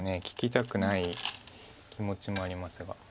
利きたくない気持ちもありますが。